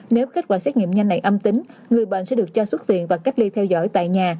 nếu kết quả xét nghiệm nhanh này âm tính người bệnh sẽ được cho xuất viện và cách ly theo dõi tại nhà